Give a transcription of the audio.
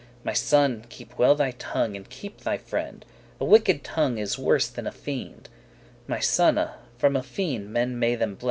My son, keep well thy tongue, and keep thy friend; A wicked tongue is worse than is a fiend: My sone, from a fiend men may them bless.